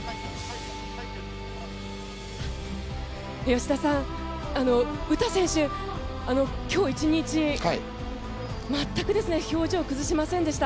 吉田さん、詩選手、今日１日全く表情を崩しませんでした。